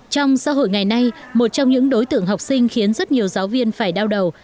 trong xã hội ngày nay một trong những đối tượng học sinh khiến rất nhiều giáo viên phải đau đầu